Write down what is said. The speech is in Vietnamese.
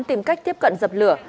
tìm cách tiếp cận dập lửa